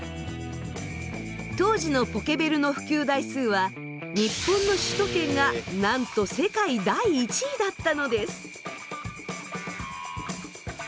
当時のポケベルの普及台数は日本の首都圏がなんと世界第１位だったのです。